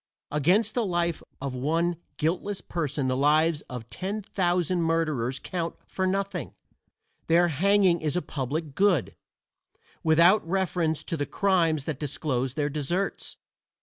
Against the life of one guiltless person the lives of ten thousand murderers count for nothing; their hanging is a public good, without reference to the crimes that disclose their deserts.